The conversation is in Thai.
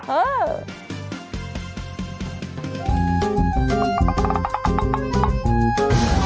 เออ